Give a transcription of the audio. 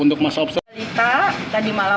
untuk mas obselita tadi malah